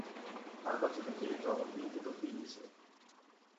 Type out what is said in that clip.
άρπαξε το χέρι του αγοριού και το φίλησε.